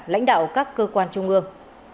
lãnh đạo các cơ quan trung ương